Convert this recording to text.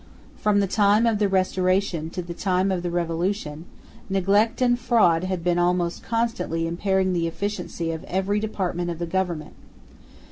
From the time of the Restoration to the time of the Revolution, neglect and fraud had been almost constantly impairing the efficiency of every department of the government.